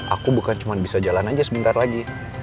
aku bukan cuma bisa jalan aja sebentar lagi